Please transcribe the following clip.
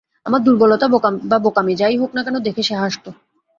আমার দুর্বলতা বা বোকামি যাই হোক-না কেন, দেখে সে হাসত।